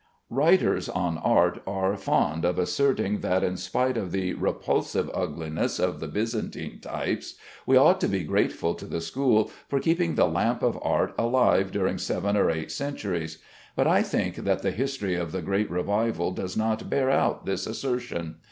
Writers on art are fond of asserting that in spite of the repulsive ugliness of the Byzantine types, we ought to be grateful to the school for keeping the lamp of art alive during seven or eight centuries; but I think that the history of the great revival does not bear out this assertion.